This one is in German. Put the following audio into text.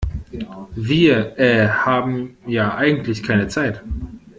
Wir, äh, haben ja eigentlich keine Zeit.